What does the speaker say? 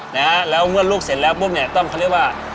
นะฮะแล้วเมื่อลูกเสร็จแล้วปุ๊บเนี่ยต้องเขาเรียกว่า